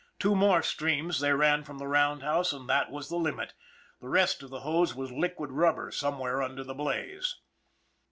Two more streams they ran from the roundhouse and that was the limit the rest of the hose was liquid rubber somewhere under the blaze.